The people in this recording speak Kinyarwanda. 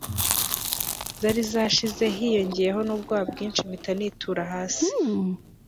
zari zashize hiyingeyeho nubwoba bwinshi mpita nitura hasi